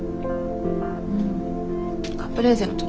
うんカプレーゼの時？